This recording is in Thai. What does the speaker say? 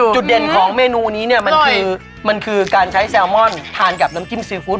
จุดเด่นของเมนูนี้เนี่ยมันคือมันคือการใช้แซลมอนทานกับน้ำจิ้มซีฟู้ด